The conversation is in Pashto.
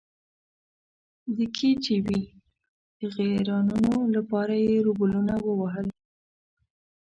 د کې جی بي د غیرانونو لپاره یې روبلونه ووهل.